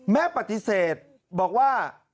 แม่ปฏิเสธบอกว่า